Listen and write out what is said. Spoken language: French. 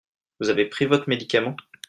Vous avez pris votre médicament ?